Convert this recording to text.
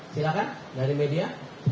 silahkan dari media